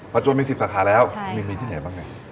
ปัจจุมี๑๐สาขาแล้วมีที่ไหนบ้างเนี่ย